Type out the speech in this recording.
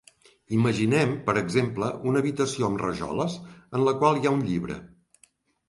Imaginem, per exemple, una habitació amb rajoles en la qual hi ha un llibre.